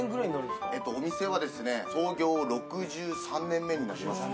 お店は創業６３年目になりますね。